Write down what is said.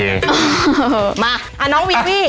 เออมาน้องวีวี่